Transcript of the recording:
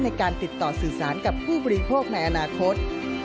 ในการติดต่อสื่อสารกับผู้บริโภคในอนาคต